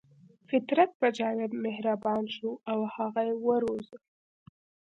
فطرت په جاوید مهربان شو او هغه یې وروزه